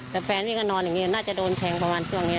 แต่แฟนพี่ก็นอนอย่างนี้น่าจะโดนแทงประมาณช่วงนี้